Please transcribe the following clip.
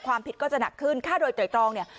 ความผิดก็จะหนักขึ้นฆ่าโดยไตรตรองเนี่ย